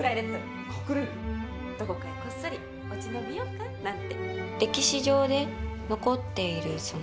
どこかへこっそり落ち延びようかなんて。